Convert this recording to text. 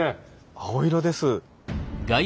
青色です。